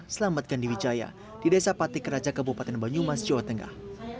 selamat gandhi wijaya di desa patik raja kabupaten banyumas jawa tengah